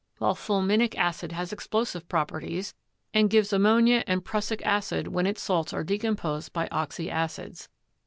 . while fulminic acid has explosive properties, and gives ammonia and prussic acid when its salts are decomposed by oxyacids.